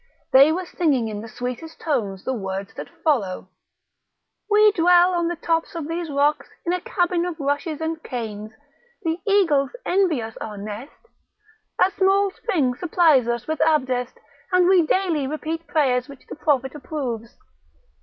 They were singing in the sweetest tones the words that follow: "We dwell on the top of these rocks in a cabin of rushes and canes; the eagles envy us our nest; a small spring supplies us with Abdest, and we daily repeat prayers which the Prophet approves.